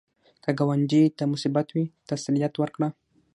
که ګاونډي ته مصیبت وي، تسلیت ورکړه